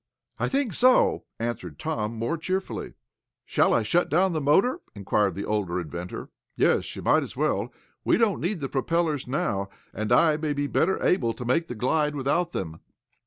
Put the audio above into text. "I think so," answered Tom, more cheerfully. "Shall I shut down the motor?" inquired the older inventor. "Yes, you might as well. We don't need the propellers now, and I may be better able to make the glide without them."